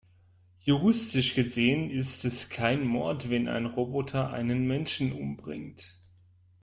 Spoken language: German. Juristisch gesehen ist es kein Mord, wenn ein Roboter einen Menschen umbringt.